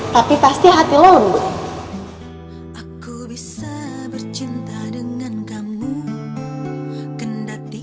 tapi pasti hati lo lembut